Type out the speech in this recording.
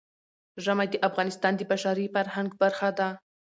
ژمی د افغانستان د بشري فرهنګ برخه ده.